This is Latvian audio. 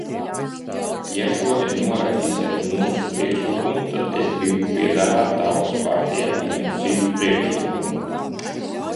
Ja šodien noraidīsiet mūsu priekšlikumu, tad es gribu piedāvāt Tautas partijai vienu citu priekšlikumu.